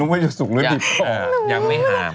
ยังไม่หาม